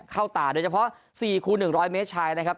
เข้าตาโดยเฉพาะ๔คูณ๑๐๐เมตรชายนะครับ